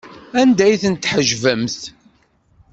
Anda ay ten-tḥejbemt?